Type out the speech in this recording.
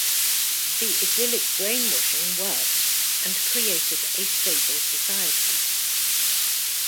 The idyllic brainwashing worked and created a stable society.